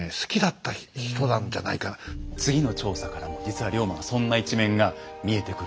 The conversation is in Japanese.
次の調査からも実は龍馬のそんな一面が見えてくるんですよ。